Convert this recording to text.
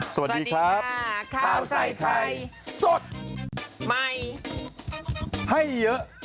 สวัสดีครับข้าวใส่ไข่สดใหม่ให้เยอะ